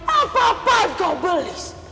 apa apaan kau belis